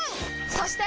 そして！